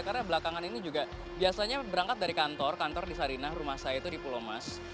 karena belakangan ini juga biasanya berangkat dari kantor kantor di sarinah rumah saya itu di pulau mas